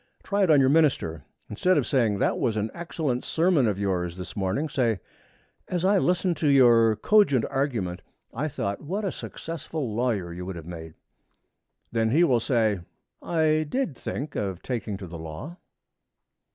Try it on your minister. Instead of saying, 'That was an excellent sermon of yours this morning,' say, 'As I listened to your cogent argument, I thought what a successful lawyer you would have made.' Then he will say, 'I did think of taking to the law.'